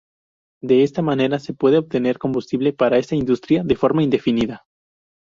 De esta manera, se pudo obtener combustible para esa industria de forma indefinida.